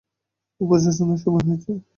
উপাসনার সময় হয়েছে।